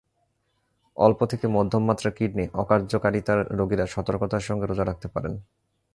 অল্প থেকে মধ্যম মাত্রার কিডনি অকার্যকারিতার রোগীরা সতর্কতার সঙ্গে রোজা রাখতে পারেন।